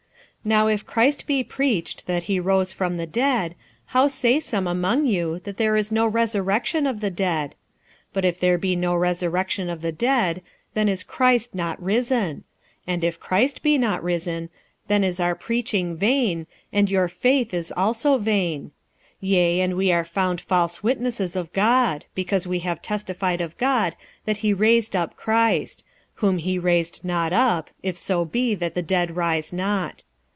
46:015:012 Now if Christ be preached that he rose from the dead, how say some among you that there is no resurrection of the dead? 46:015:013 But if there be no resurrection of the dead, then is Christ not risen: 46:015:014 And if Christ be not risen, then is our preaching vain, and your faith is also vain. 46:015:015 Yea, and we are found false witnesses of God; because we have testified of God that he raised up Christ: whom he raised not up, if so be that the dead rise not.